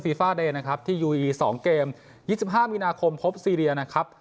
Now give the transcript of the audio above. ฟีฟาเดนนะครับที่ยูเอียีสองเกมยี่สิบห้ามีนาคมพบซีเรียนะครับ